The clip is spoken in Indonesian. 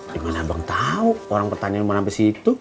gimana abang tau orang petani emang sampe situ